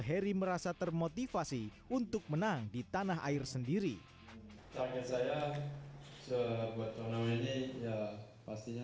harry merasa termotivasi untuk menang di tanah air sendiri saya sebuah tahun ini ya pastinya